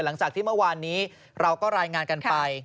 หลังจากที่เมื่อวานนี้เราก็รายงานกันไป